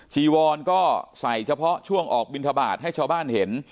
จีวอนก็ใส่เฉพาะช่วงออกบินทบาทให้ชาวบ้านเห็น